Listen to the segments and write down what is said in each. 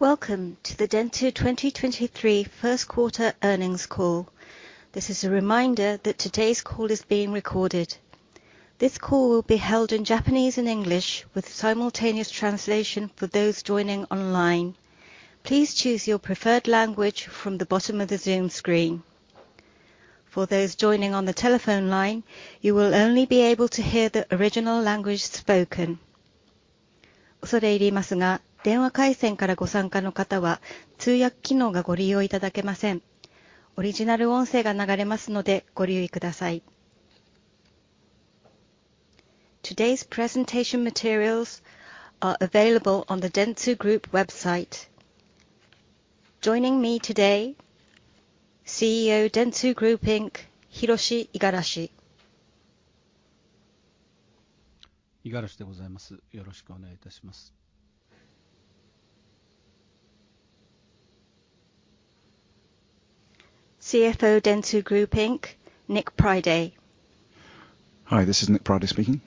Welcome to the Dentsu 2023 first quarter earnings call. This is a reminder that today's call is being recorded. This call will be held in Japanese and English with simultaneous translation for those joining online. Please choose your preferred language from the bottom of the Zoom screen. For those joining on the telephone line, you will only be able to hear the original language spoken. Today's presentation materials are available on the Dentsu Group website. Joining me today, CEO Dentsu Group Inc., Hiroshi Igarashi. Igarashi CFO Dentsu Group Inc., Nick Priday. Hi, this is Nick Priday speaking.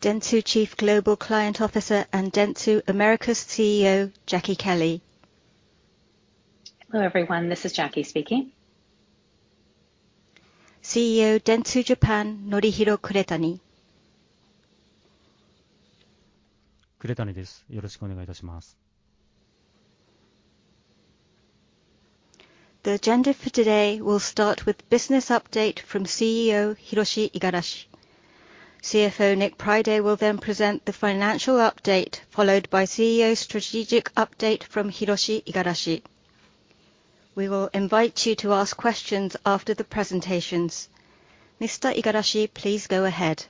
Dentsu Chief Global Client Officer and dentsu Americas CEO, Jacki Kelley. Hello, everyone. This is Jacki speaking. CEO dentsu Japan, Norihiro Kuretani. Kuretani The agenda for today will start with business update from CEO Hiroshi Igarashi. CFO Nick Priday will then present the financial update, followed by CEO strategic update from Hiroshi Igarashi. We will invite you to ask questions after the presentations. Mr. Igarashi, please go ahead.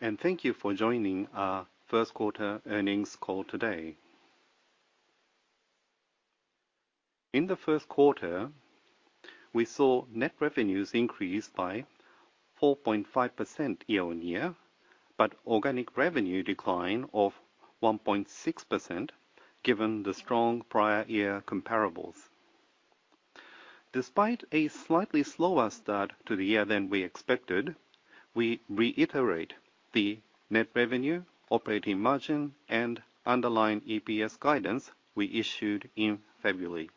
Thank you for joining our first quarter earnings call today. In the first quarter, we saw net revenues increase by 4.5% year-on-year, but organic revenue decline of 1.6% given the strong prior year comparables. Despite a slightly slower start to the year than we expected, we reiterate the net revenue, operating margin, and underlying EPS guidance we issued in February.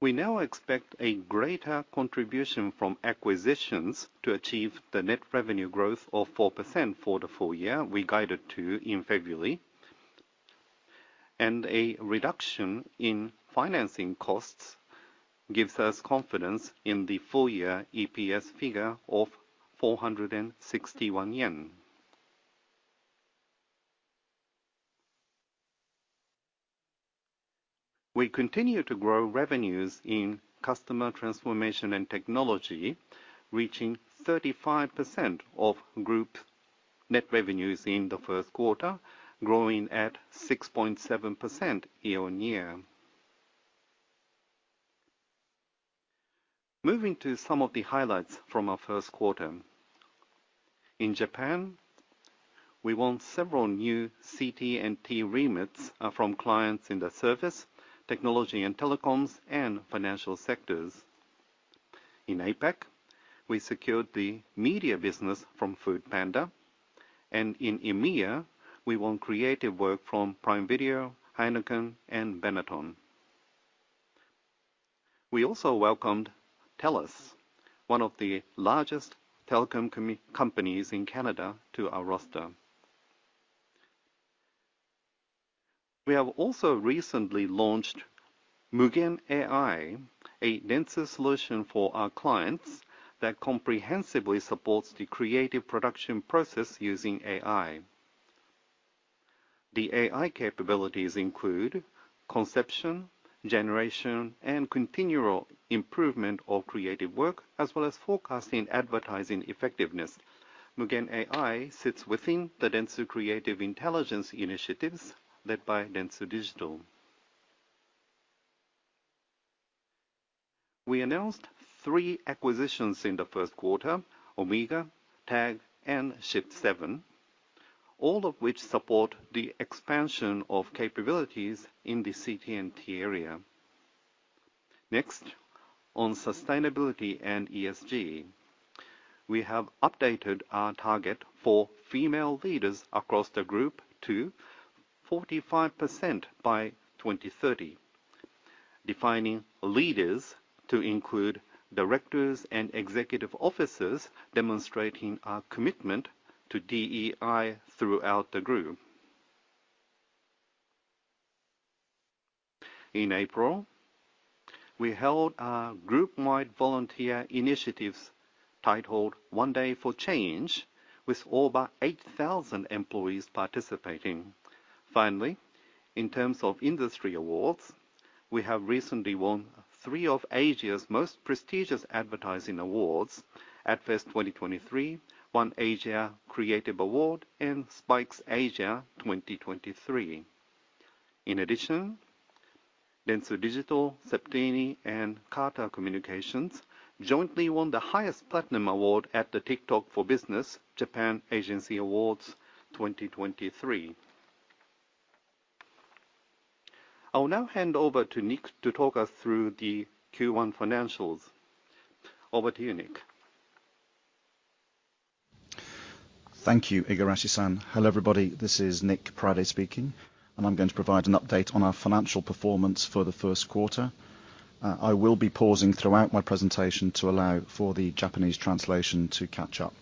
We now expect a greater contribution from acquisitions to achieve the net revenue growth of 4% for the full year we guided to in February. A reduction in financing costs gives us confidence in the full year EPS figure of 461 yen. We continue to grow revenues in customer transformation and technology, reaching 35% of group net revenues in the first quarter, growing at 6.7% year-on-year. Moving to some of the highlights from our first quarter. In Japan, we won several new CT&T remits from clients in the service, technology and telecoms, and financial sectors. In APAC, we secured the media business from foodpanda. In EMEA, we won creative work from Prime Video, Heineken, and Benetton. We also welcomed TELUS, one of the largest telecom companies in Canada, to our roster. We have also recently launched Mugen AI, a Dentsu solution for our clients that comprehensively supports the creative production process using AI. The AI capabilities include conception, generation, and continual improvement of creative work, as well as forecasting advertising effectiveness. Mugen AI sits within the Dentsu Creative Intelligence initiatives led by Dentsu Digital. We announced three acquisitions in the first quarter, Omega, Tag, and Shift7, all of which support the expansion of capabilities in the CT&T area. On sustainability and ESG. We have updated our target for female leaders across the group to 45% by 2030, defining leaders to include directors and executive officers demonstrating our commitment to DEI throughout the group. In April, we held our group-wide volunteer initiatives titled One Day for Change with over 8,000 employees participating. In terms of industry awards, we have recently won three of Asia's most prestigious advertising awards at ADFEST 2023, One Asia Creative Awards and Spikes Asia 2023. Dentsu Digital, Septeni, and CARTA COMMUNICATIONS jointly won the highest platinum award at the TikTok for Business Japan Agency Awards 2023. I will now hand over to Nick to talk us through the Q1 financials. Over to you, Nick. Thank you, Igarashi-san. Hello, everybody. This is Nick Priday speaking, and I'm going to provide an update on our financial performance for the first quarter. I will be pausing throughout my presentation to allow for the Japanese translation to catch up.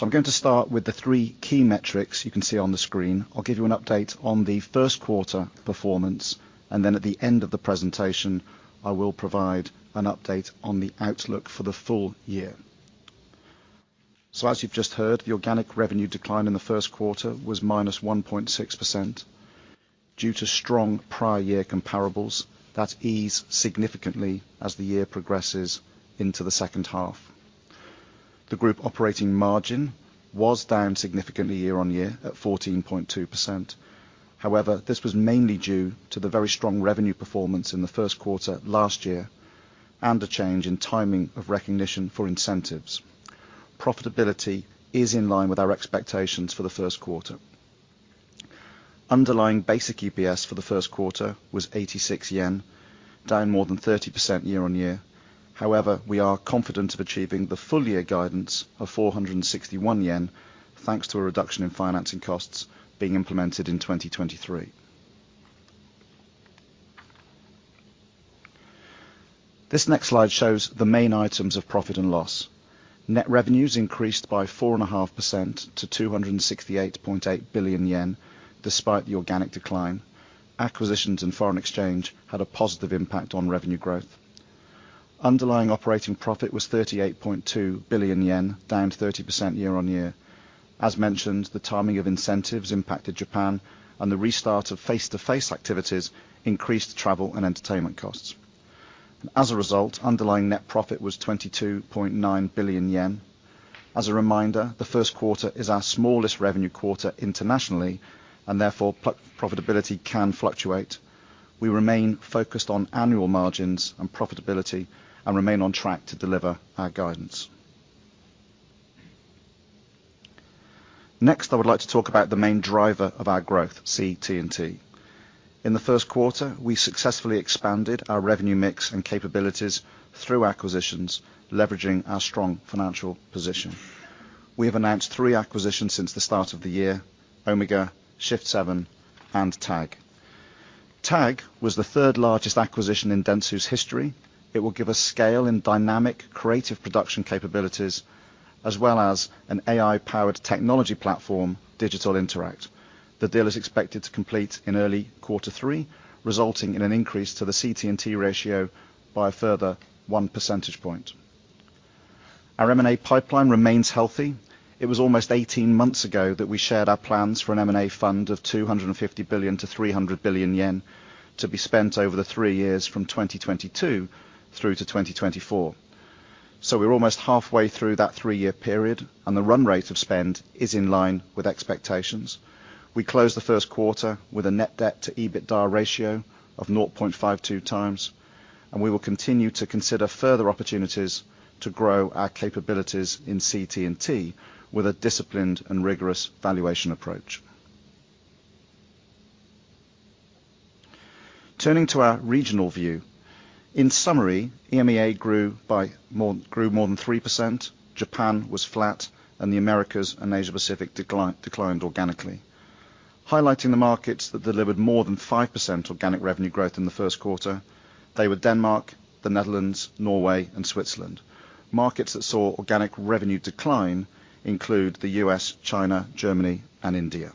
I'm going to start with the three key metrics you can see on the screen. I'll give you an update on the first quarter performance, and then at the end of the presentation, I will provide an update on the outlook for the full year. As you've just heard, the organic revenue decline in the first quarter was -1.6% due to strong prior year comparables that ease significantly as the year progresses into the second half. The group operating margin was down significantly year-on-year at 14.2%. However, this was mainly due to the very strong revenue performance in the first quarter last year and a change in timing of recognition for incentives. Profitability is in line with our expectations for the first quarter. Underlying basic EPS for the first quarter was 86 yen, down more than 30% year-on-year. However, we are confident of achieving the full year guidance of 461 yen, thanks to a reduction in financing costs being implemented in 2023. This next slide shows the main items of profit and loss. Net revenues increased by 4.5% to 268.8 billion yen, despite the organic decline. Acquisitions and foreign exchange had a positive impact on revenue growth. Underlying operating profit was 38.2 billion yen, down 30% year-on-year. As mentioned, the timing of incentives impacted Japan and the restart of face to face activities increased travel and entertainment costs. As a result, underlying net profit was 22.9 billion yen. As a reminder, the first quarter is our smallest revenue quarter internationally and therefore profitability can fluctuate. We remain focused on annual margins and profitability and remain on track to deliver our guidance. I would like to talk about the main driver of our growth, CT&T. In the first quarter, we successfully expanded our revenue mix and capabilities through acquisitions, leveraging our strong financial position. We have announced three acquisitions since the start of the year, Omega, Shift7, and Tag. Tag was the third largest acquisition in Dentsu's history. It will give us scale and dynamic creative production capabilities as well as an AI powered technology platform, Digital Interact. The deal is expected to complete in early quarter three, resulting in an increase to the CT&T ratio by a further one percentage point. Our M&A pipeline remains healthy. It was almost 18 months ago that we shared our plans for an M&A fund of 250 billion-300 billion yen to be spent over the three years from 2022 through to 2024. We're almost halfway through that three-year period, and the run rate of spend is in line with expectations. We closed the first quarter with a net debt to EBITDA ratio of 0.52 times, and we will continue to consider further opportunities to grow our capabilities in CT&T with a disciplined and rigorous valuation approach. Turning to our regional view. In summary, EMEA grew more than 3%, Japan was flat, and the Americas and Asia Pacific declined organically. Highlighting the markets that delivered more than 5% organic revenue growth in the first quarter, they were Denmark, the Netherlands, Norway, and Switzerland. Markets that saw organic revenue decline include the U.S., China, Germany, and India.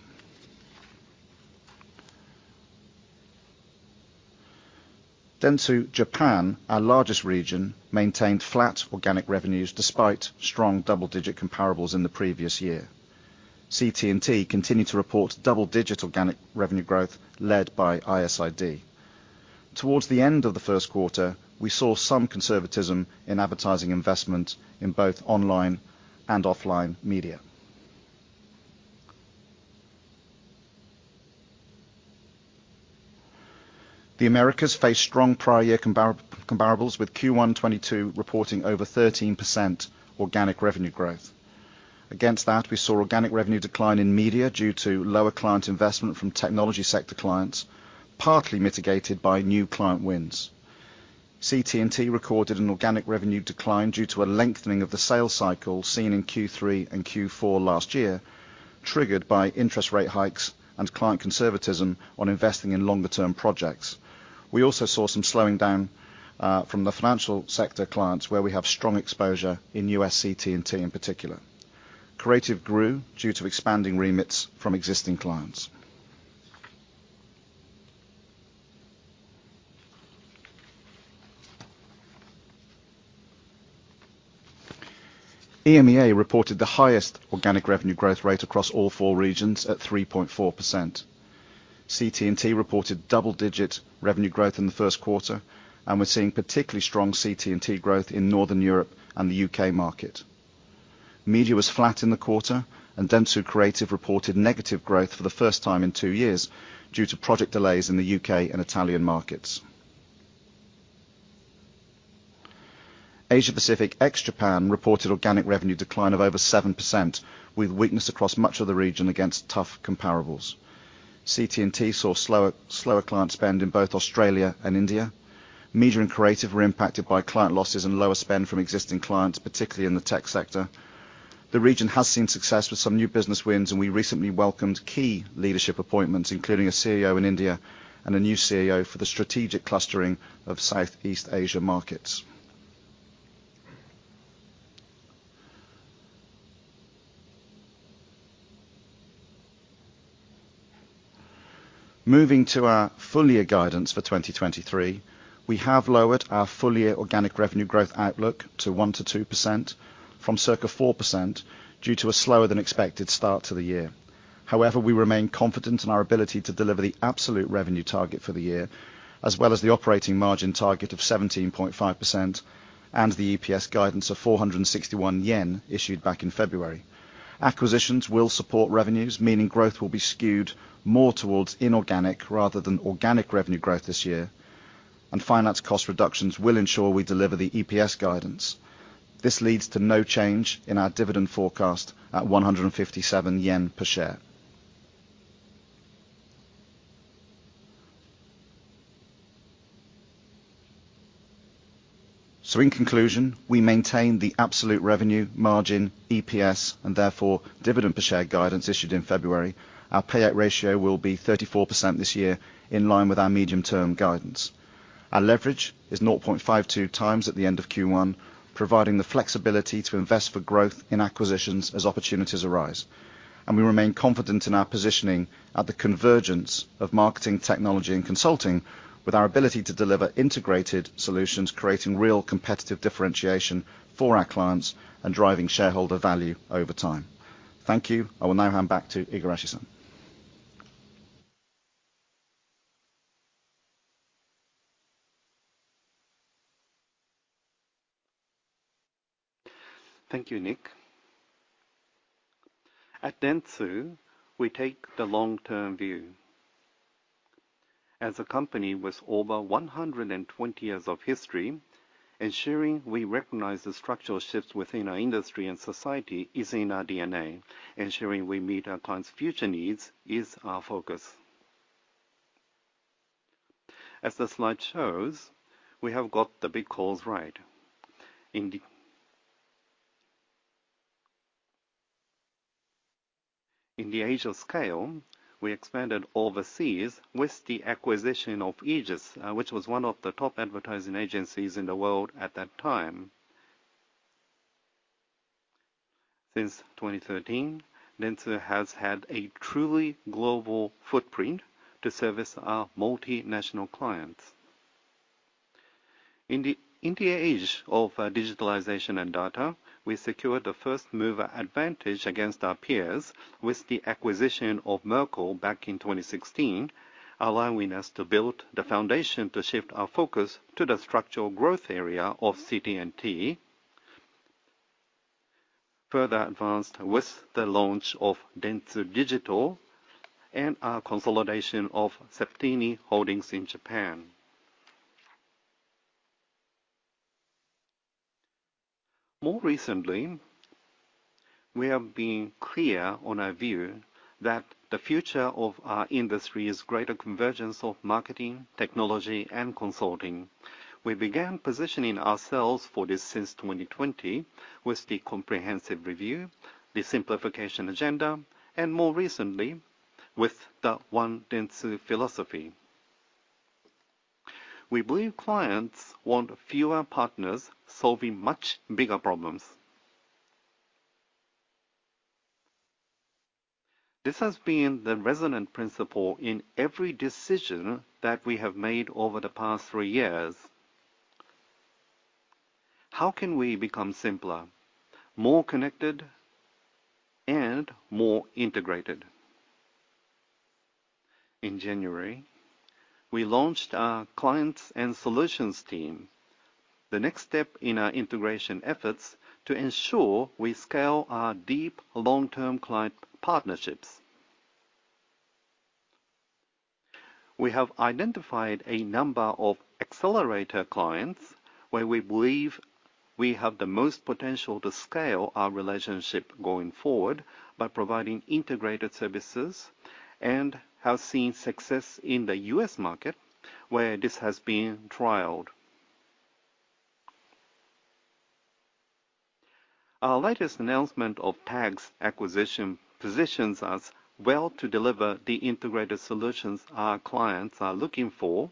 dentsu Japan, our largest region, maintained flat organic revenues despite strong double-digit comparables in the previous year. CT&T continued to report double-digit organic revenue growth led by ISID. Towards the end of the first quarter, we saw some conservatism in advertising investment in both online and offline media. The Americas faced strong prior year comparables with Q1 2022 reporting over 13% organic revenue growth. Against that, we saw organic revenue decline in media due to lower client investment from technology sector clients, partly mitigated by new client wins. CT&T recorded an organic revenue decline due to a lengthening of the sales cycle seen in Q3 and Q4 last year, triggered by interest rate hikes and client conservatism on investing in longer term projects. We also saw some slowing down from the financial sector clients where we have strong exposure in U.S. CT&T in particular. Creative grew due to expanding remits from existing clients. EMEA reported the highest organic revenue growth rate across all four regions at 3.4%. CT&T reported double-digit revenue growth in the first quarter, and we're seeing particularly strong CT&T growth in Northern Europe and the U.K. market. Media was flat in the quarter, and Dentsu Creative reported negative growth for the first time in 2 years due to project delays in the U.K. and Italian markets. Asia Pacific, ex-Japan, reported organic revenue decline of over 7%, with weakness across much of the region against tough comparables. CT&T saw slower client spend in both Australia and India. Media and Creative were impacted by client losses and lower spend from existing clients, particularly in the tech sector. The region has seen success with some new business wins, and we recently welcomed key leadership appointments, including a CEO in India and a new CEO for the strategic clustering of Southeast Asia markets. Moving to our full year guidance for 2023, we have lowered our full year organic revenue growth outlook to 1%-2% from circa 4% due to a slower than expected start to the year. We remain confident in our ability to deliver the absolute revenue target for the year, as well as the operating margin target of 17.5% and the EPS guidance of 461 yen issued back in February. Acquisitions will support revenues, meaning growth will be skewed more towards inorganic rather than organic revenue growth this year, and finance cost reductions will ensure we deliver the EPS guidance. This leads to no change in our dividend forecast at 157 yen per share. In conclusion, we maintain the absolute revenue margin, EPS, and therefore dividend per share guidance issued in February. Our payout ratio will be 34% this year in line with our medium-term guidance. Our leverage is 0.52 times at the end of Q1, providing the flexibility to invest for growth in acquisitions as opportunities arise. We remain confident in our positioning at the convergence of marketing, technology and consulting with our ability to deliver integrated solutions, creating real competitive differentiation for our clients and driving shareholder value over time. Thank you. I will now hand back to Hiroshi Igarashi. Thank you, Nick. At Dentsu, we take the long-term view. As a company with over 120 years of history, ensuring we recognize the structural shifts within our industry and society is in our DNA. Ensuring we meet our clients' future needs is our focus. As the slide shows, we have got the big calls right. In the age of scale, we expanded overseas with the acquisition of Aegis, which was one of the top advertising agencies in the world at that time. Since 2013, Dentsu has had a truly global footprint to service our multinational clients. In the age of digitalization and data, we secured the first mover advantage against our peers with the acquisition of Merkle back in 2016, allowing us to build the foundation to shift our focus to the structural growth area of CT&T, further advanced with the launch of Dentsu Digital and our consolidation of Septeni Holdings in Japan. More recently, we have been clear on our view that the future of our industry is greater convergence of marketing, technology, and consulting. We began positioning ourselves for this since 2020 with the comprehensive review, the simplification agenda, and more recently with the One Dentsu philosophy. We believe clients want fewer partners solving much bigger problems. This has been the resonant principle in every decision that we have made over the past three years. How can we become simpler, more connected and more integrated? In January, we launched our clients and solutions team, the next step in our integration efforts to ensure we scale our deep long-term client partnerships. We have identified a number of accelerator clients where we believe we have the most potential to scale our relationship going forward by providing integrated services and have seen success in the U.S. market where this has been trialed. Our latest announcement of Tag's acquisition positions us well to deliver the integrated solutions our clients are looking for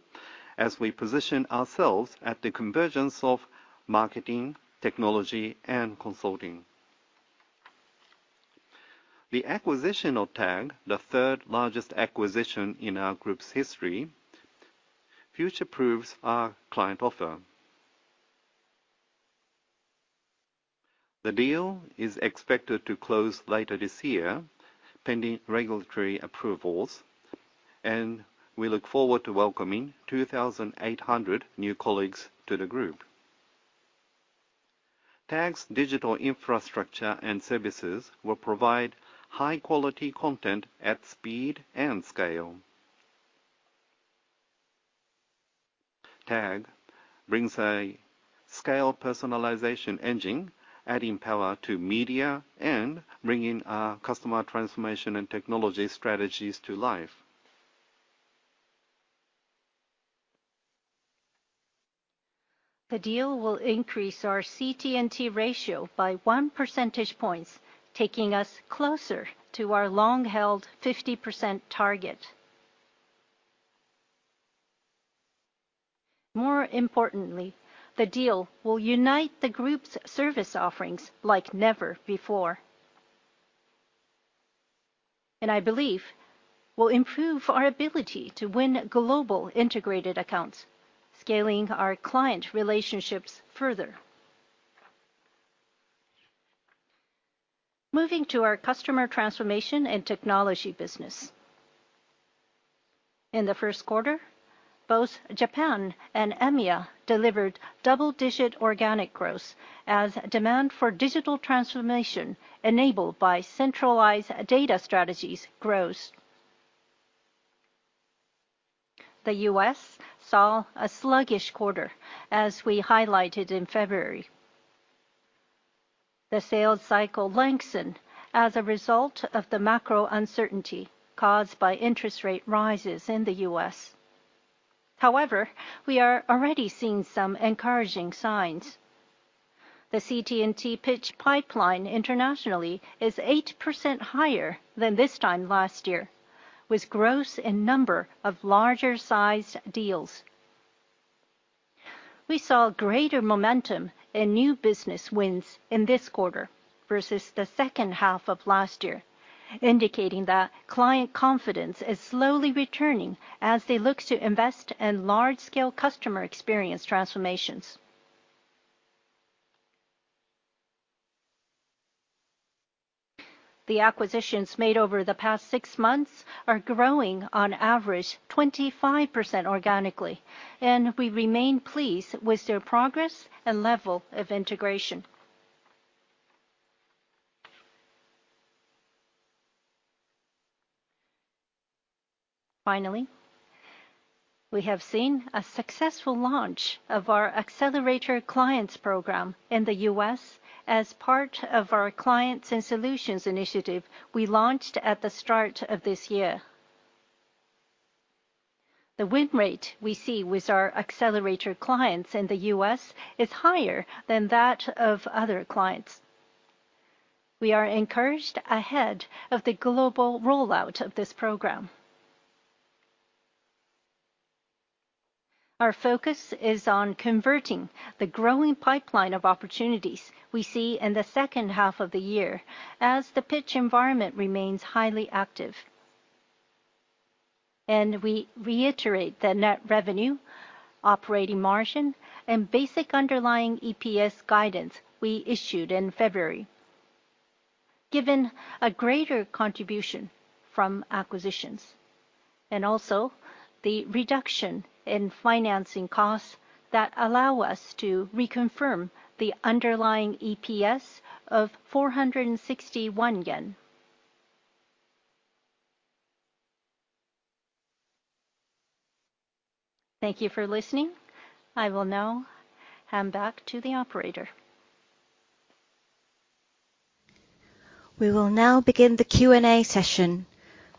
as we position ourselves at the convergence of marketing, technology and consulting. The acquisition of Tag, the third largest acquisition in our group's history, future-proofs our client offer. The deal is expected to close later this year, pending regulatory approvals. We look forward to welcoming 2,800 new colleagues to the group. Tag's digital infrastructure and services will provide high-quality content at speed and scale. Tag brings a scale personalization engine, adding power to media and bringing our customer transformation and technology strategies to life. The deal will increase our CT&T ratio by 1 percentage points, taking us closer to our long-held 50% target. More importantly, the deal will unite the group's service offerings like never before. I believe will improve our ability to win global integrated accounts, scaling our client relationships further. Moving to our customer transformation and technology business. In the first quarter, both Japan and EMEA delivered double-digit organic growth as demand for digital transformation enabled by centralized data strategies grows. The U.S. saw a sluggish quarter as we highlighted in February. The sales cycle lengthened as a result of the macro uncertainty caused by interest rate rises in the U.S. However, we are already seeing some encouraging signs. The CT&T pitch pipeline internationally is 8% higher than this time last year, with gross in number of larger sized deals. We saw greater momentum in new business wins in this quarter versus the second half of last year, indicating that client confidence is slowly returning as they look to invest in large-scale customer experience transformations. The acquisitions made over the past six months are growing on average 25% organically, and we remain pleased with their progress and level of integration. Finally, we have seen a successful launch of our Accelerator Clients program in the U.S. as part of our clients and solutions initiative we launched at the start of this year. The win rate we see with our Accelerator Clients in the U.S. is higher than that of other clients. We are encouraged ahead of the global rollout of this program. Our focus is on converting the growing pipeline of opportunities we see in the second half of the year as the pitch environment remains highly active. We reiterate the net revenue, operating margin, and basic underlying EPS guidance we issued in February. Given a greater contribution from acquisitions and also the reduction in financing costs that allow us to reconfirm the underlying EPS of 461 JPY. Thank you for listening. I will now hand back to the operator. We will now begin the Q&A session.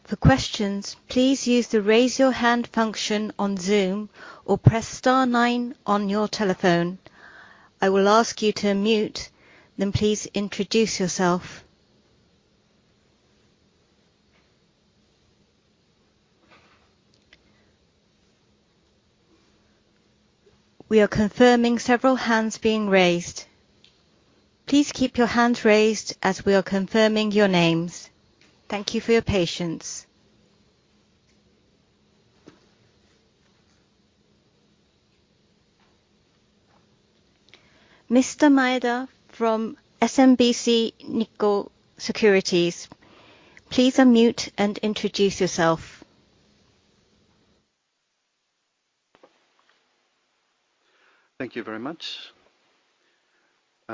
For questions, please use the raise your hand function on Zoom or press star nine on your telephone. I will ask you to unmute, then please introduce yourself. We are confirming several hands being raised. Please keep your hands raised as we are confirming your names. Thank you for your patience. Mr. Maeda from SMBC Nikko Securities Inc., please unmute and introduce yourself. Thank you very much.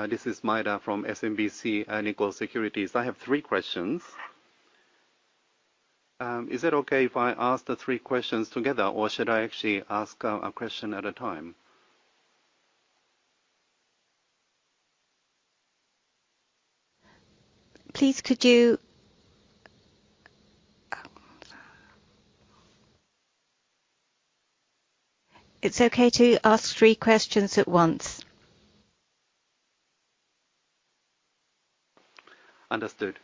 This is Maeda from SMBC Nikko Securities. I have 3 questions. Is it okay if I ask the 3 questions together, or should I actually ask a question at a time? It's okay to ask three questions at once. Understood.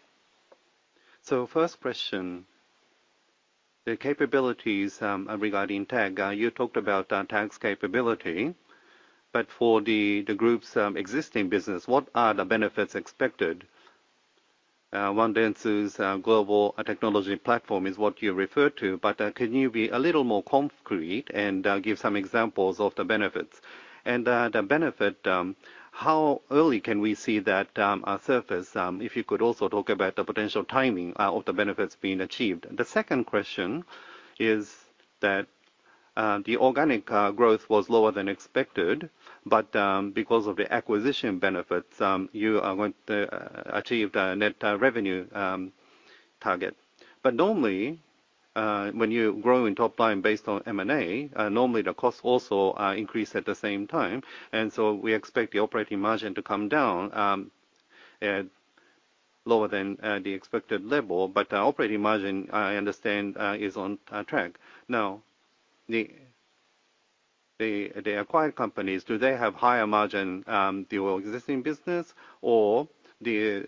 First question, the capabilities regarding Tag, you talked about Tag's capability, but for the group's existing business, what are the benefits expected? One then is global technology platform is what you refer to, but can you be a little more concrete and give some examples of the benefits? The benefit, how early can we see that surface, if you could also talk about the potential timing of the benefits being achieved. The second question is that the organic growth was lower than expected, but because of the acquisition benefits, you are going to achieve the net revenue target. Normally, when you're growing top line based on M&A, normally the costs also increase at the same time, we expect the operating margin to come down lower than the expected level. Operating margin, I understand, is on track. The acquired companies, do they have higher margin to your existing business, or the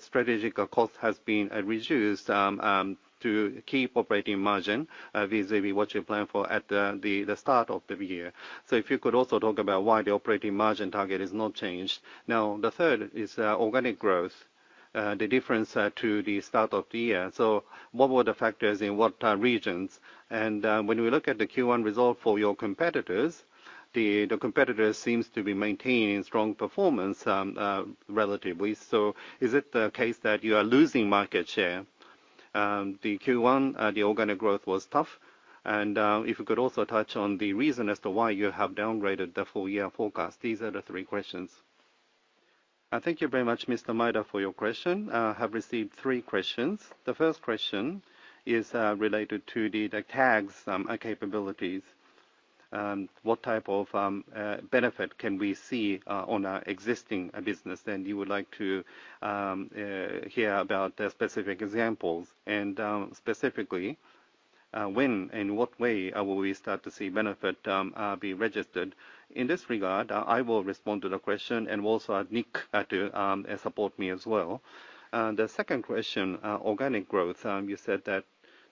strategic cost has been reduced to keep operating margin vis-à-vis what you planned for at the start of the year? If you could also talk about why the operating margin target is not changed. The third is organic growth, the difference to the start of the year. What were the factors in what regions? When we look at the Q1 result for your competitors, the competitors seems to be maintaining strong performance relatively. Is it the case that you are losing market share? The Q1 the organic growth was tough. If you could also touch on the reason as to why you have downgraded the full year forecast. These are the three questions. Thank you very much, Mr. Maeda, for your question. Have received three questions. The first question is related to the Tags capabilities. What type of benefit can we see on our existing business? You would like to hear about the specific examples. Specifically, when and what way will we start to see benefit be registered? In this regard, I will respond to the question and also add Nick to support me as well. The second question, organic growth. You said that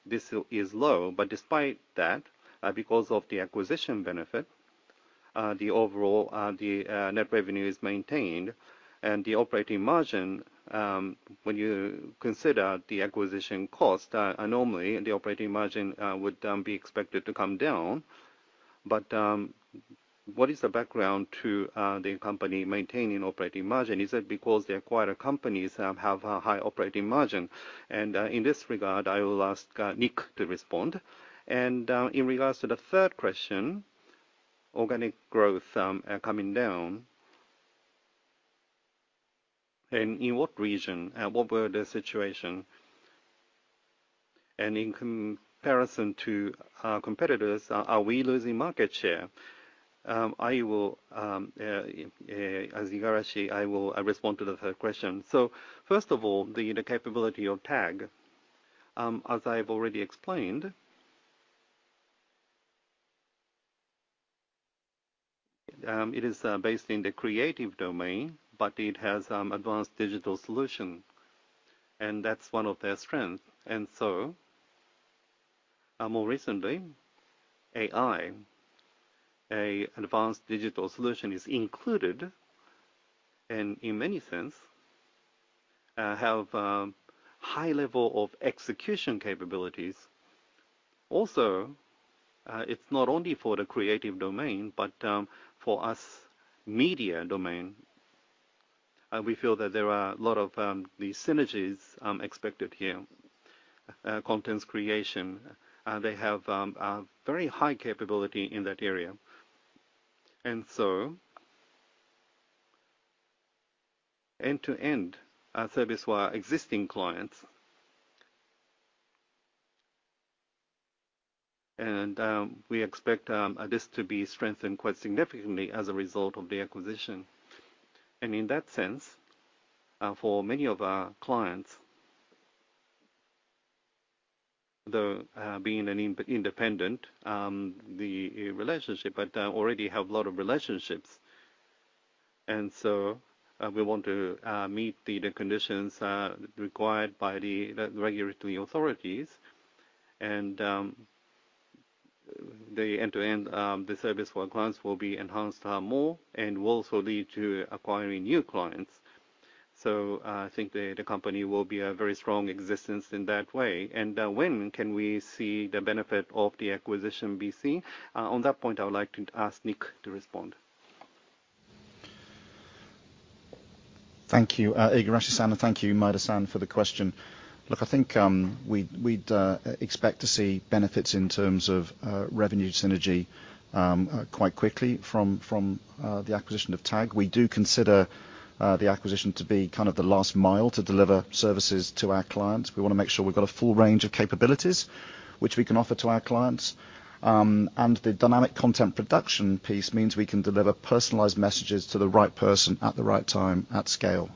this is low, but despite that, because of the acquisition benefit, the overall net revenue is maintained. The operating margin, when you consider the acquisition cost, normally the operating margin would be expected to come down. What is the background to the company maintaining operating margin? Is it because the acquired companies have a high operating margin? In this regard, I will ask Nick to respond. In regards to the third question, organic growth coming down, and in what region, what were the situation? In comparison to our competitors, are we losing market share? I will, as Igarashi, I will respond to the third question. First of all, the capability of Tag. As I've already explained, it is based in the creative domain, but it has advanced digital solution, and that's one of their strengths. More recently, AI, a advanced digital solution is included, and in many sense, have a high level of execution capabilities. Also, it's not only for the creative domain, but for us media domain, we feel that there are a lot of these synergies expected here. Contents creation, they have a very high capability in that area. End-to-end, our service for our existing clients, and, we expect, this to be strengthened quite significantly as a result of the acquisition. In that sense, for many of our clients, though, being an independent, the relationship, but already have a lot of relationships. We want to meet the conditions required by the regulatory authorities. The end-to-end, the service for our clients will be enhanced more and will also lead to acquiring new clients. I think the company will be a very strong existence in that way. When can we see the benefit of the acquisition BC? On that point, I would like to ask Nick to respond. Thank you, Igarashi-san, and thank you Maeda-san for the question. Look, I think, we'd expect to see benefits in terms of revenue synergy quite quickly from the acquisition of Tag. We do consider the acquisition to be kind of the last mile to deliver services to our clients. We want to make sure we've got a full range of capabilities which we can offer to our clients. The dynamic content production piece means we can deliver personalized messages to the right person at the right time at scale.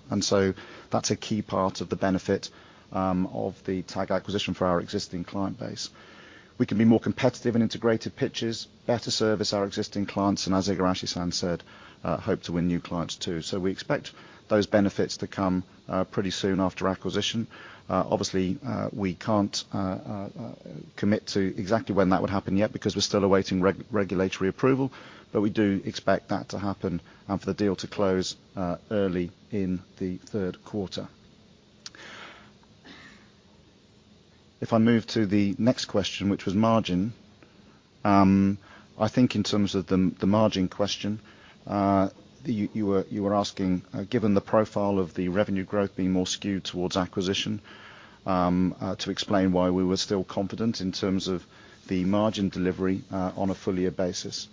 That's a key part of the benefit of the Tag acquisition for our existing client base. We can be more competitive in integrated pitches, better service our existing clients, and as Igarashi-san said, hope to win new clients too. We expect those benefits to come pretty soon after acquisition. Obviously, we can't commit to exactly when that would happen yet because we're still awaiting regulatory approval, but we do expect that to happen for the deal to close early in the third quarter. If I move to the next question, which was margin, I think in terms of the margin question, you were asking given the profile of the revenue growth being more skewed towards acquisition to explain why we were still confident in terms of the margin delivery on a full year basis.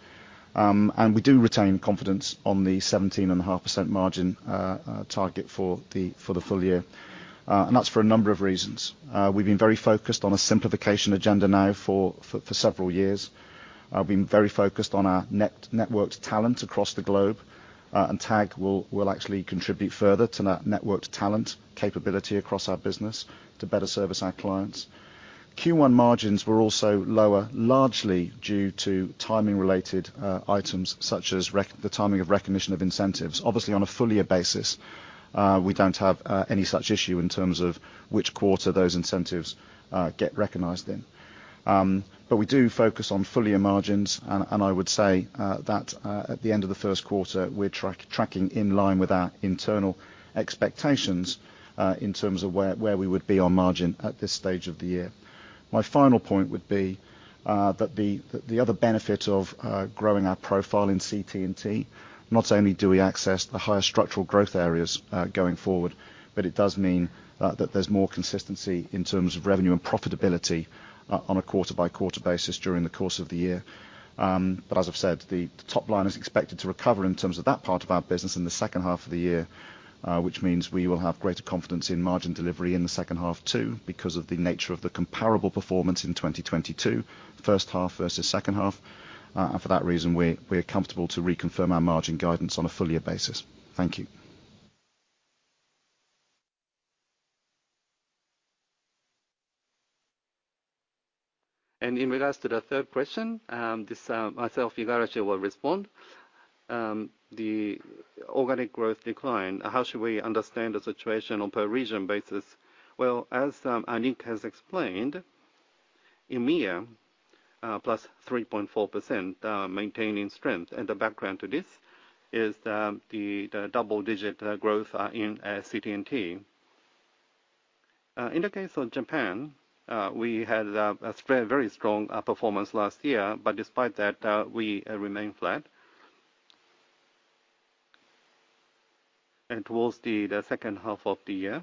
We do retain confidence on the 17.5% margin target for the full year. That's for a number of reasons. We've been very focused on a simplification agenda now for several years. We've been very focused on our networked talent across the globe. TAG will actually contribute further to that networked talent capability across our business to better service our clients. Q1 margins were also lower, largely due to timing related items such as the timing of recognition of incentives. Obviously, on a full year basis, we don't have any such issue in terms of which quarter those incentives get recognized in. We do focus on full year margins and I would say that at the end of the first quarter, we're tracking in line with our internal expectations in terms of where we would be on margin at this stage of the year. My final point would be that the other benefit of growing our profile in CT&T, not only do we access the higher structural growth areas going forward, but it does mean that there's more consistency in terms of revenue and profitability on a quarter-by-quarter basis during the course of the year. As I've said, the top line is expected to recover in terms of that part of our business in the second half of the year, which means we will have greater confidence in margin delivery in the second half too because of the nature of the comparable performance in 2022, first half versus second half. For that reason, we're comfortable to reconfirm our margin guidance on a full year basis. Thank you. In regards to the third question, this myself, Igarashi, will respond. The organic growth decline, how should we understand the situation on per region basis? Well, as Nick has explained, EMEA +3.4% maintaining strength, and the background to this is the double-digit growth in CT&T. In the case of Japan, we had a very strong performance last year, but despite that, we remain flat. Towards the second half of the year,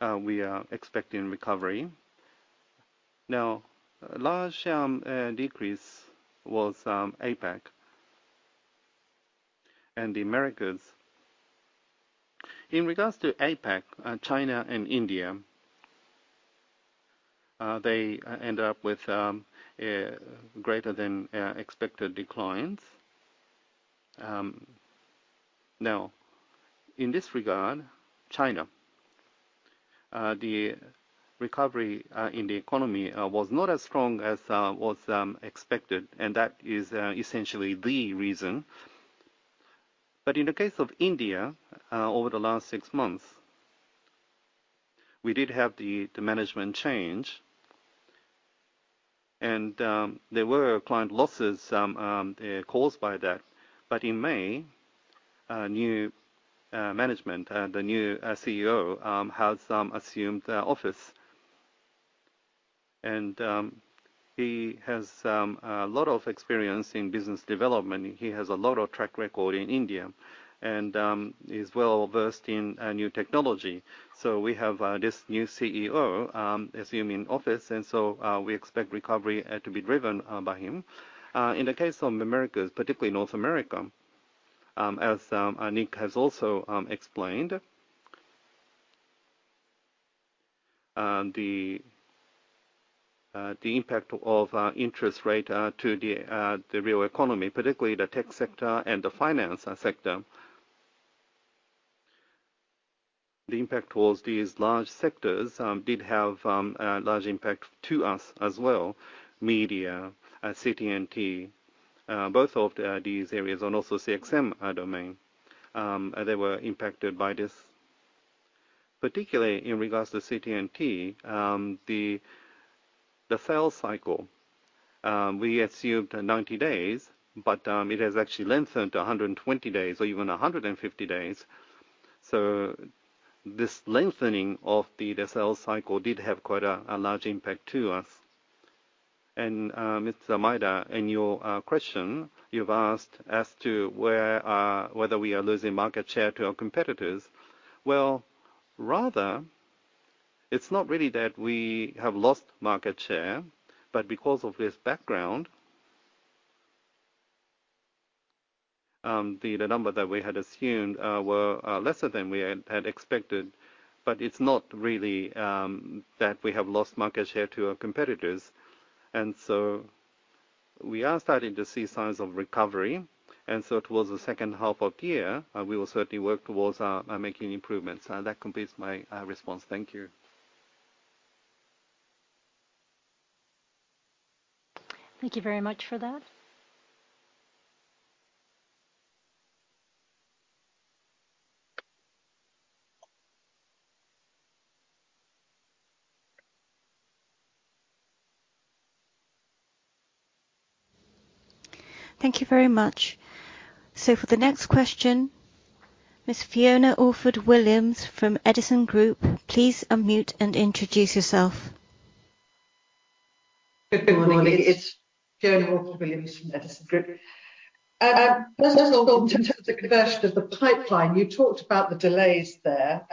we are expecting recovery. Now, large decrease was APAC and Americas. In regards to APAC, China and India, they end up with greater than expected declines. Now, in this regard, China, the recovery in the economy was not as strong as was expected, and that is essentially the reason. In the case of India, over the last six months, we did have the management change. There were client losses caused by that. In May, a new management, the new CEO has assumed the office. He has a lot of experience in business development. He has a lot of track record in India and is well-versed in new technology. We have this new CEO assuming office, and so we expect recovery to be driven by him. In the case of Americas, particularly North America, as Nick has also explained, the impact of interest rate to the real economy, particularly the tech sector and the finance sector. The impact towards these large sectors did have a large impact to us as well. Media, CT&T, both of these areas and also CXM domain, they were impacted by this. Particularly in regards to CT&T, the sales cycle, we assumed 90 days, but it has actually lengthened to 120 days or even 150 days. This lengthening of the sales cycle did have quite a large impact to us. Mr. Maeda, in your question, you've asked as to where whether we are losing market share to our competitors. Well, rather, it's not really that we have lost market share, but because of this background, the number that we had assumed were lesser than we had expected. It's not really that we have lost market share to our competitors. We are starting to see signs of recovery. Towards the second half of year, we will certainly work towards making improvements. That completes my response. Thank you. Thank you very much for that. Thank you very much. For the next question, Ms. Fiona Orford-Williams from Edison Group, please unmute and introduce yourself. Good morning. It's Fiona Orford-Williams from Edison Group. First of all, in terms of conversion of the pipeline, you talked about the delays there.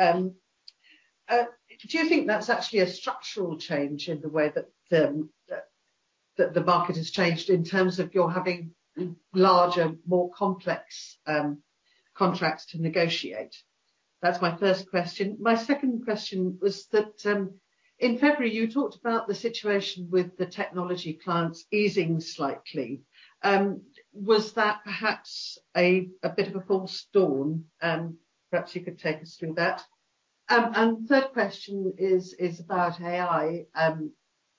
Do you think that's actually a structural change in the way that the market has changed in terms of you're having larger, more complex, contracts to negotiate? That's my first question. My second question was that, in February, you talked about the situation with the technology clients easing slightly. Was that perhaps a bit of a false dawn? Perhaps you could take us through that. Third question is about AI,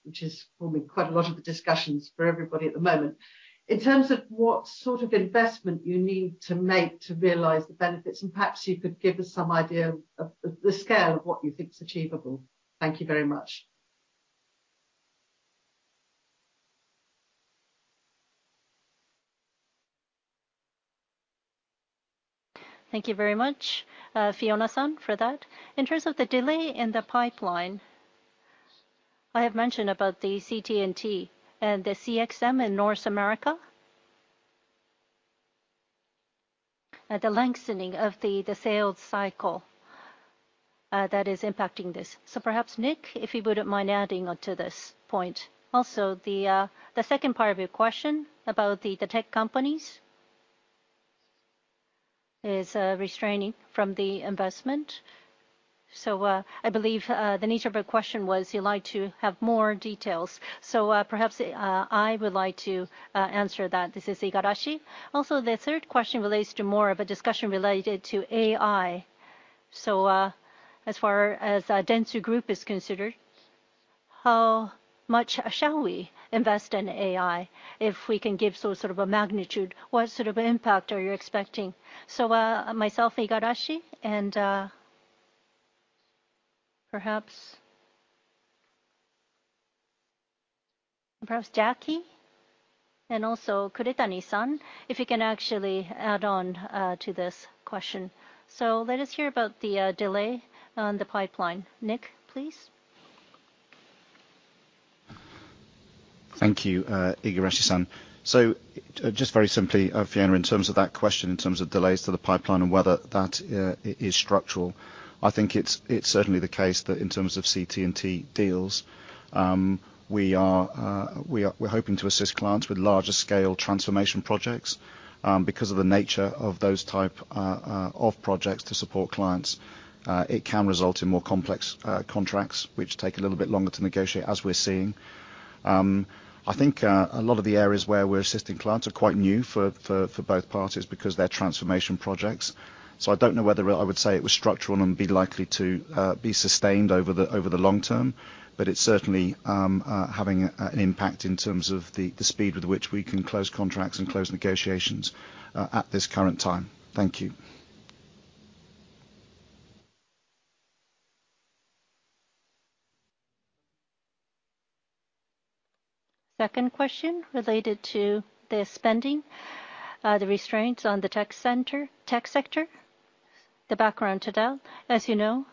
which is forming quite a lot of the discussions for everybody at the moment. In terms of what sort of investment you need to make to realize the benefits, perhaps you could give us some idea of the scale of what you think is achievable. Thank you very much. Thank you very much, Fiona-san, for that. In terms of the delay in the pipeline, I have mentioned about the CT&T and the CXM in North America. The lengthening of the sales cycle that is impacting this. Perhaps Nick, if you wouldn't mind adding onto this point. Also, the second part of your question about the tech companies is restraining from the investment. I believe the nature of your question was you'd like to have more details. Perhaps I would like to answer that. This is Igarashi. Also, the third question relates to more of a discussion related to AI. As far as Dentsu Group is considered, how much shall we invest in AI? If we can give sort of a magnitude, what sort of impact are you expecting? Myself, Igarashi, and perhaps Jacki, and also Kuretani-san, if you can actually add on to this question. Let us hear about the delay on the pipeline. Nick, please. Thank you, Igarashi-san. Just very simply, Fiona, in terms of that question, in terms of delays to the pipeline and whether that is structural, I think it's certainly the case that in terms of CT&T deals, we're hoping to assist clients with larger scale transformation projects. Because of the nature of those type of projects to support clients, it can result in more complex contracts, which take a little bit longer to negotiate, as we're seeing. I think a lot of the areas where we're assisting clients are quite new for both parties because they're transformation projects. I don't know whether I would say it was structural and be likely to be sustained over the over the long term, but it's certainly having an impact in terms of the speed with which we can close contracts and close negotiations at this current time. Thank you. Second question related to the spending, the restraints on the tech sector. The background to that, as you know,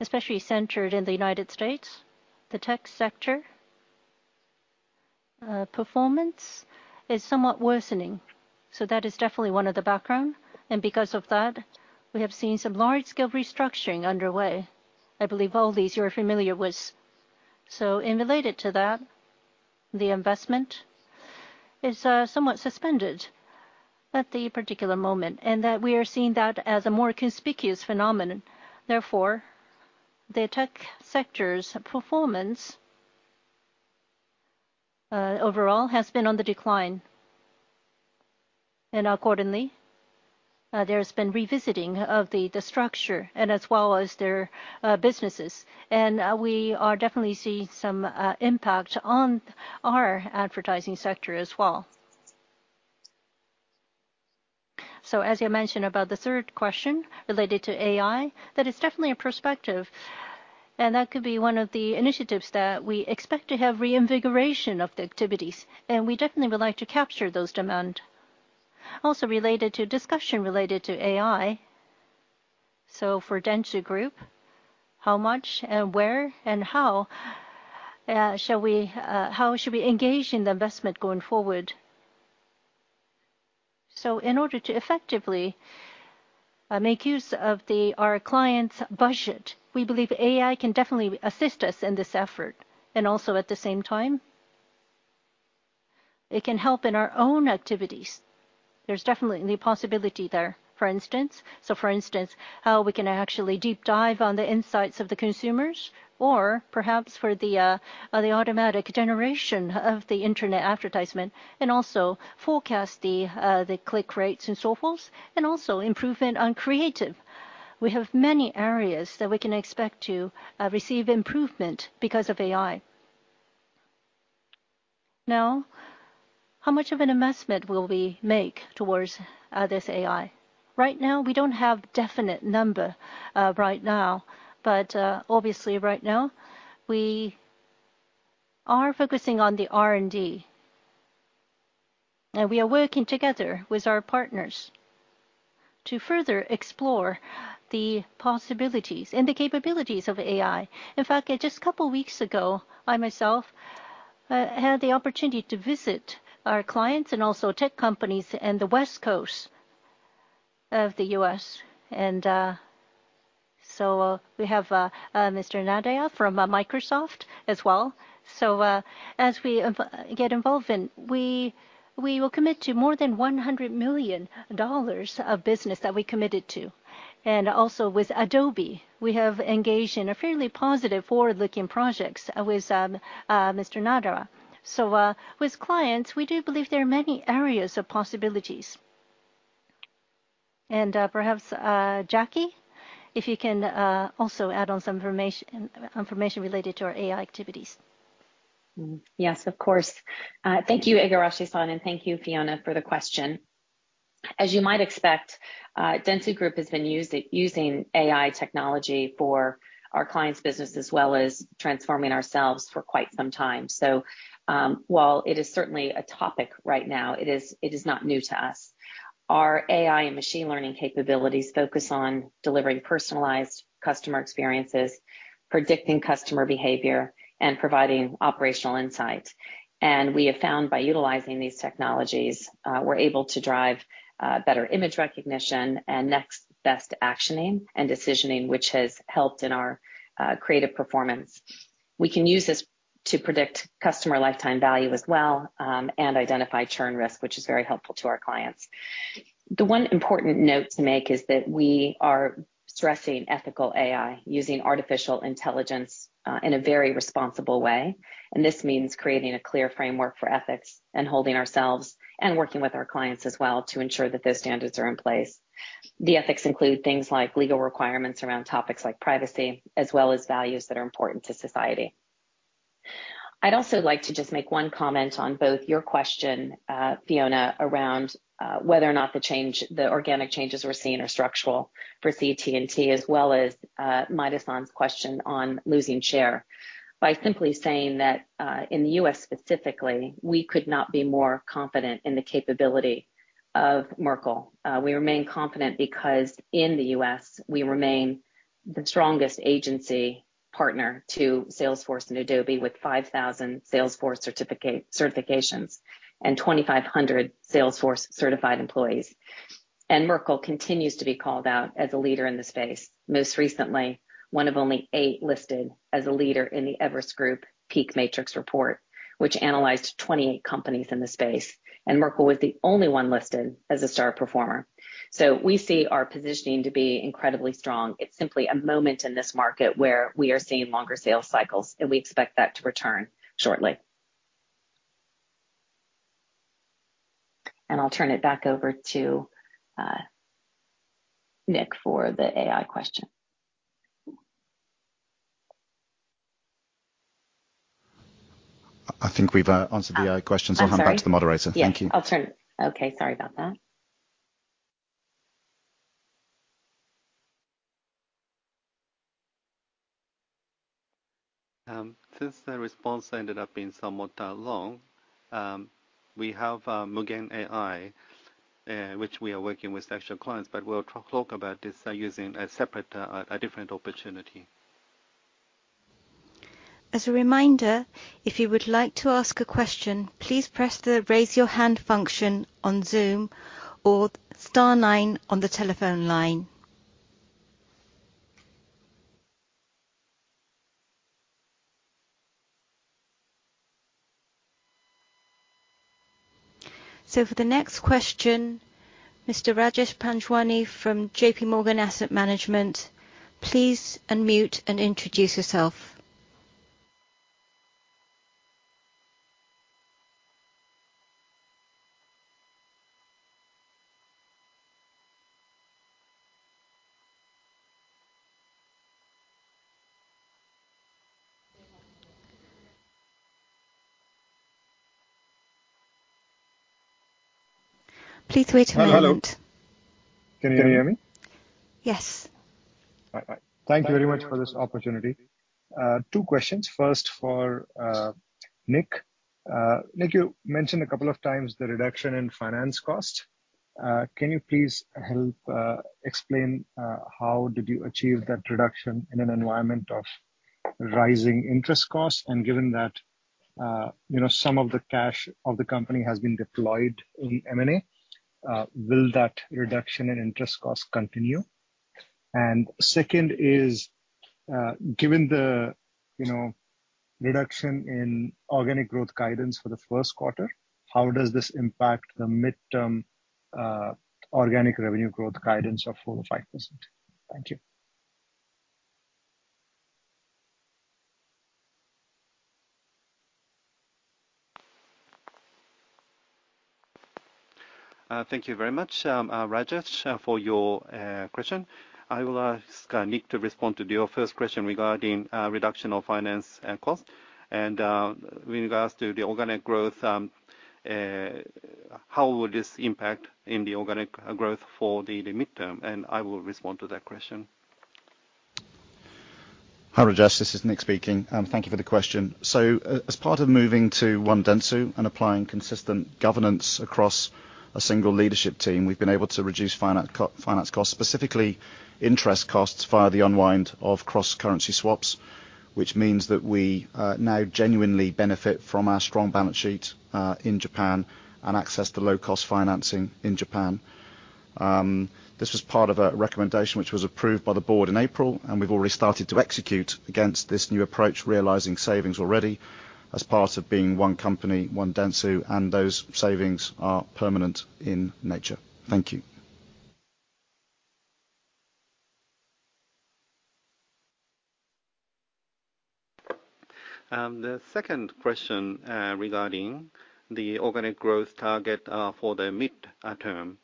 especially centered in the United States, the tech sector, performance is somewhat worsening. That is definitely one of the background, and because of that, we have seen some large scale restructuring underway. I believe all these you are familiar with. Related to that, the investment is somewhat suspended at the particular moment, and that we are seeing that as a more conspicuous phenomenon. Therefore, the tech sector's performance overall has been on the decline. Accordingly, there's been revisiting of the structure and as well as their businesses. We are definitely seeing some impact on our advertising sector as well. As you mentioned about the third question related to AI, that is definitely a perspective, and that could be one of the initiatives that we expect to have reinvigoration of the activities, and we definitely would like to capture those demand. Related to discussion related to AI, for Dentsu Group, how much and where and how shall we, how should we engage in the investment going forward? In order to effectively make use of our clients' budget, we believe AI can definitely assist us in this effort. Also at the same time, it can help in our own activities. There's definitely possibility there, for instance. For instance, how we can actually deep dive on the insights of the consumers or perhaps for the automatic generation of the internet advertisement and also forecast the click rates and so forth, and also improvement on creative. We have many areas that we can expect to receive improvement because of AI. How much of an investment will we make towards this AI? Right now, we don't have definite number right now, but obviously right now we are focusing on the R&D. We are working together with our partners to further explore the possibilities and the capabilities of AI. In fact, just a couple weeks ago, I myself had the opportunity to visit our clients and also tech companies in the West Coast of the U.S. We have Mr. Nadella from Microsoft as well. As we get involved in, we will commit to more than $100 million of business that we committed to. With Adobe, we have engaged in a fairly positive forward-looking projects with Mr. Nadella. With clients, we do believe there are many areas of possibilities. Perhaps, Jacki, if you can also add on some information related to our AI activities. Yes, of course. Thank you, Igarashi-san, and thank you Fiona for the question. As you might expect, Dentsu Group has been using AI technology for our clients' business as well as transforming ourselves for quite some time. While it is certainly a topic right now, it is not new to us. Our AI and machine learning capabilities focus on delivering personalized customer experiences, predicting customer behavior, and providing operational insight. We have found by utilizing these technologies, we're able to drive better image recognition and next best actioning and decisioning, which has helped in our creative performance. We can use this to predict customer lifetime value as well, and identify churn risk, which is very helpful to our clients. The one important note to make is that we are stressing ethical AI, using artificial intelligence, in a very responsible way. This means creating a clear framework for ethics and holding ourselves and working with our clients as well to ensure that those standards are in place. The ethics include things like legal requirements around topics like privacy, as well as values that are important to society. I'd also like to just make one comment on both your question, Fiona, around, whether or not the change, the organic changes we're seeing are structural for CT&T, as well as, Maeda-san's question on losing share. By simply saying that, in the US specifically, we could not be more confident in the capability of Merkle. We remain confident because in the U.S. we remain the strongest agency partner to Salesforce and Adobe with 5,000 Salesforce certifications and 2,500 Salesforce certified employees. Merkle continues to be called out as a leader in the space. Most recently, one of only eight listed as a leader in the Everest Group PEAK Matrix report, which analyzed 28 companies in the space, and Merkle was the only one listed as a star performer. We see our positioning to be incredibly strong. It's simply a moment in this market where we are seeing longer sales cycles, and we expect that to return shortly. I'll turn it back over to Nick for the AI question. I think we've answered the AI questions. Oh, sorry. I'll hand back to the moderator. Thank you. Yeah. I'll turn it... Okay. Sorry about that. Since the response ended up being somewhat long, we have Mugen AI, which we are working with actual clients, but we'll talk about this using a separate, a different opportunity. As a reminder, if you would like to ask a question, please press the Raise Your Hand function on Zoom or star 9 on the telephone line. For the next question, Mr. Rajesh Panjwani from J.P. Morgan Asset Management, please unmute and introduce yourself. Please wait a moment. Hello. Can you hear me? Yes. Thank you very much for this opportunity. Two questions. First for Nick. Nick, you mentioned a couple of times the reduction in finance cost. Can you please help explain how did you achieve that reduction in an environment of rising interest costs? Given that, you know, some of the cash of the company has been deployed in M&A, will that reduction in interest costs continue? Second is, given the, you know, reduction in organic growth guidance for the first quarter, how does this impact the midterm organic revenue growth guidance of 4% to 5%? Thank you. Thank you very much, Rajesh, for your question. I will ask Nick to respond to your first question regarding reduction of finance cost. With regards to the organic growth, how will this impact in the organic growth for the midterm? I will respond to that question. Hi, Rajesh, this is Nick speaking. Thank you for the question. As part of moving to One Dentsu and applying consistent governance across a single leadership team, we've been able to reduce finance costs, specifically interest costs via the unwind of cross-currency swaps, which means that we now genuinely benefit from our strong balance sheet in Japan and access to low-cost financing in Japan. This was part of a recommendation which was approved by the board in April. We've already started to execute against this new approach, realizing savings already as part of being one company, One Dentsu, and those savings are permanent in nature. Thank you. The second question regarding the organic growth target for the mid term.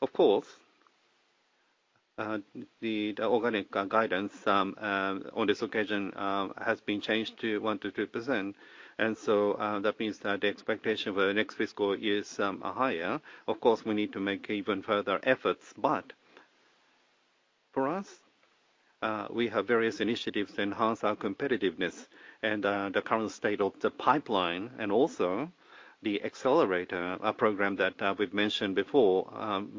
Of course, the organic guidance on this occasion has been changed to 1%-2%. That means that the expectation for the next fiscal year is higher. Of course, we need to make even further efforts, but for us, we have various initiatives to enhance our competitiveness and the current state of the pipeline and also the accelerator, a program that we've mentioned before.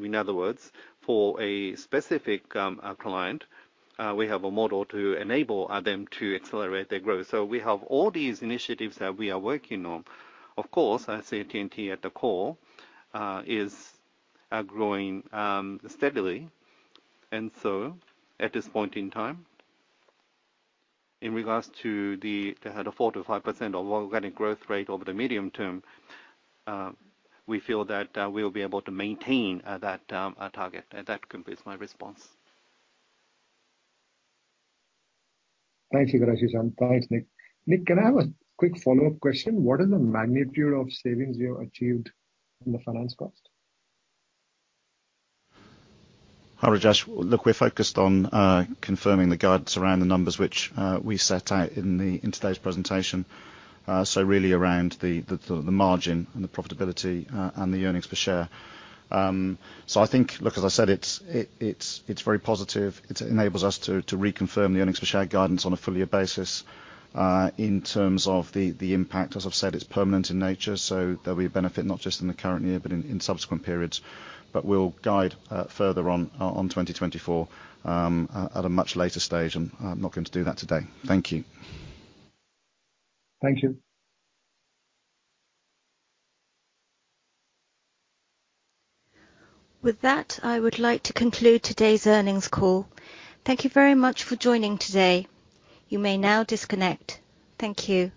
In other words, for a specific client, we have a model to enable them to accelerate their growth. We have all these initiatives that we are working on. Of course, as CT&T at the core is growing steadily. At this point in time, in regards to the 4%-5% of organic growth rate over the medium term, we feel that we'll be able to maintain that target. That completes my response. Thanks, Igarashi-san. Thanks, Nick. Nick, can I have a quick follow-up question? What is the magnitude of savings you have achieved in the finance cost? Hi, Rajesh. Look, we're focused on confirming the guidance around the numbers which we set out in today's presentation. Really around the margin and the profitability, and the earnings per share. I think, look, as I said, it's very positive. It enables us to reconfirm the earnings per share guidance on a full year basis. In terms of the impact, as I've said, it's permanent in nature, so there'll be a benefit not just in the current year, but in subsequent periods. We'll guide further on 2024, at a much later stage, and I'm not going to do that today. Thank you. Thank you. With that, I would like to conclude today's earnings call. Thank you very much for joining today. You may now disconnect. Thank you.